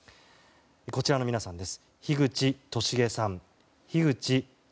こちらの皆さんです。